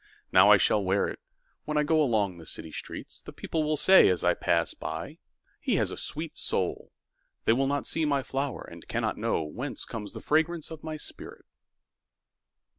Now I shall wear itWhen I goAlong the city streets:The people will sayAs I pass by—"He has a sweet soul!"They will not see my flower, And cannot knowWhence comes the fragrance of my spirit!